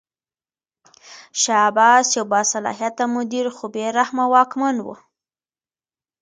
شاه عباس یو باصلاحیته مدیر خو بې رحمه واکمن و.